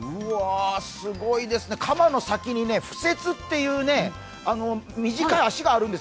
すごいですね、鎌の先に符節っていう短い足があるんです。